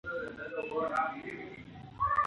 دا د اوبو شرشرې څومره ښکلې دي.